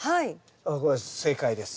これ正解です。